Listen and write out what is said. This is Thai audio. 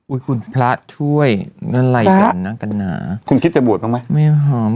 คุณพระช่วยอะไรกันนะกันหนาคุณคิดจะบวชบ้างไหมไม่หอม